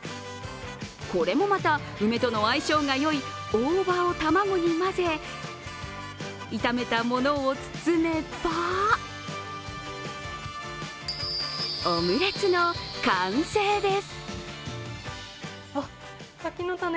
これもまた梅との相性がよい大葉を卵に混ぜ炒めたものを包めばオムレツの完成です。